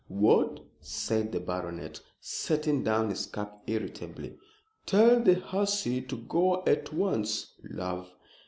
what!" said the baronet, setting down his cup irritably. "Tell the hussy to go at once. Love?"